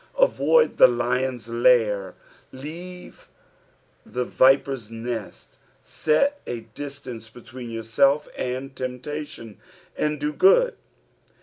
Avoid the lion's lair, leave the viper's nest. Set a distance between yourself and temptation. "And do ^ood."